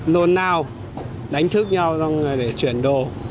nôn nao đánh thức nhau xong rồi để chuyển đồ